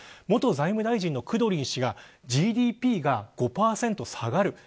元財務大臣のクドリン氏がＧＤＰが５％下がる。